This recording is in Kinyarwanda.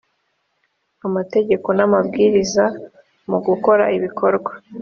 amategeko n amabwiriza mu gukora ibikorwa